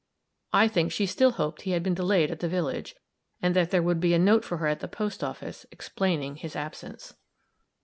I think she still hoped he had been delayed at the village; and that there would be a note for her at the post office, explaining his absence.